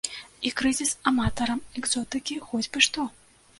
І крызіс аматарам экзотыкі хоць бы што.